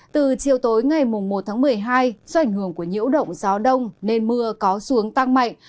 từ chiều tối ngày một tháng một mươi hai do ảnh hưởng của nhiễu động gió đông nên mưa có xuống tăng mạnh